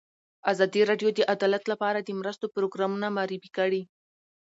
ازادي راډیو د عدالت لپاره د مرستو پروګرامونه معرفي کړي.